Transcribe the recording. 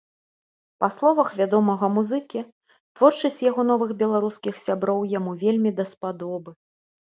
Па словах вядомага музыкі, творчасць яго новых беларускіх сяброў яму вельмі даспадобы.